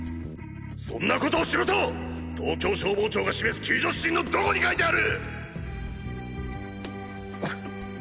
そんな事をしろと東京消防庁が示す救助指針のどこに書いてある！！